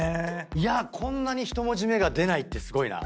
こんなに１文字目が出ないってすごいな。